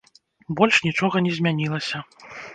Больш нічога не змянілася.